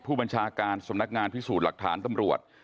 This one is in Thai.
ผู้บัญชาการสำนักงานพิสูจน์หลักฐานตำรวจ